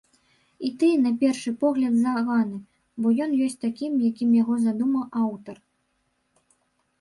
І тыя на першы погляд заганы, бо ён ёсць такім, якім яго задумаў аўтар.